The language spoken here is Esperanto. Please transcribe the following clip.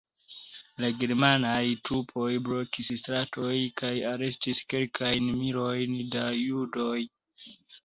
La germanaj trupoj blokis stratojn kaj arestis kelkajn milojn da judoj.